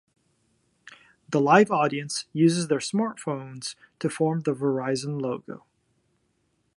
The live audience uses their smartphones to form the Verizon logo.